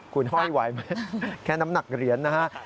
คุณห้อยไหวไหมแค่น้ำหนักเหรียญนะฮะ